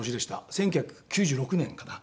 １９９６年かな。